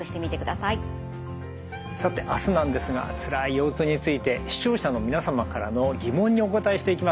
さて明日なんですがつらい腰痛について視聴者の皆様からの疑問にお答えしていきます。